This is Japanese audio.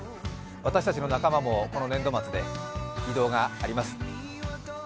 私たちの仲間もこの年度末で異動があります。